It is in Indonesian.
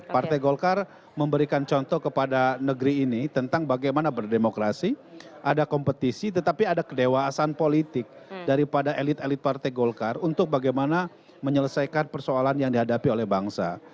partai golkar memberikan contoh kepada negeri ini tentang bagaimana berdemokrasi ada kompetisi tetapi ada kedewasan politik daripada elit elit partai golkar untuk bagaimana menyelesaikan persoalan yang dihadapi oleh bangsa